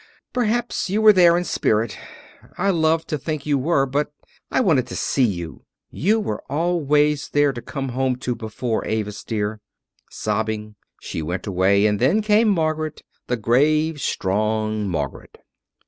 Perhaps you were there in spirit. I love to think you were, but I wanted to see you. You were always there to come home to before, Avis, dear." Sobbing, she went away; and then came Margaret, the grave, strong Margaret.